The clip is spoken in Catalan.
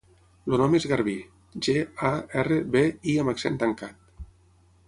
El nom és Garbí: ge, a, erra, be, i amb accent tancat.